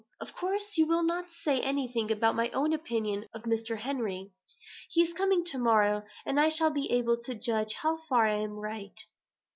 Of course, you will not say anything about my own opinion of Mr. Henry. He is coming to morrow, and I shall be able to judge how far I am right."